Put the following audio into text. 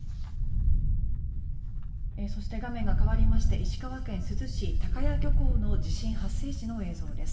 そして、画面が変わりまして石川県珠洲市高屋漁港の地震発生時の映像です。